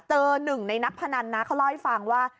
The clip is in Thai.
หนึ่งในนักพนันนะเขาเล่าให้ฟังว่า